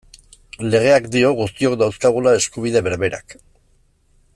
Legeak dio guztiok dauzkagula eskubide berberak.